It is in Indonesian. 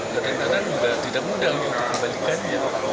kadang kadang juga tidak mudah untuk dikembalikannya